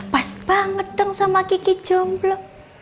pas banget dong sama kiki jomblo